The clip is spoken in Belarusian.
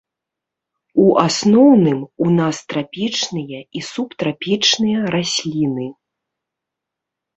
У асноўным, у нас трапічныя і субтрапічныя расліны.